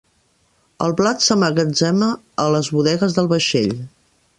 El blat s'emmagatzema a les bodegues del vaixell.